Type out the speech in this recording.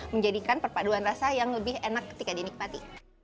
menjadikan perpaduan rasa yang lebih enak ketika dinikmati